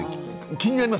気になります